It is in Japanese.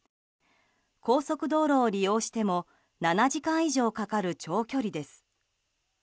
高速道路を利用しても７時間以上かかる長距離です。